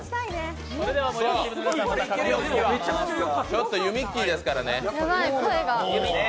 ちょっとゆみっきーですからね。